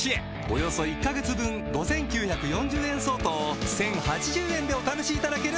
およそ１カ月分５９４０円相当を１０８０円でお試しいただけるチャンスです